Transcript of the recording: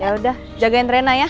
ya udah jagain trena ya